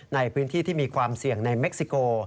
ในพื้นที่ที่มีความเสี่ยงในเม็กซิโก